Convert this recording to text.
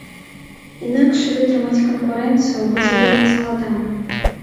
Інакш вытрымаць канкурэнцыю будзе вельмі складана.